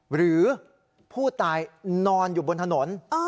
หรือผู้ตายนอนอยู่บนถนน